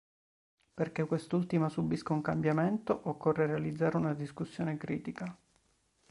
Perché quest'ultima subisca un cambiamento, occorre realizzare una discussione critica.